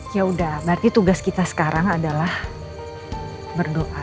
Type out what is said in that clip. yaudah berarti tugas kita sekarang adalah berdoa